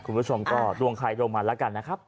คุณผู้ชมก็ดวงใครดวงมันแล้วกันนะครับ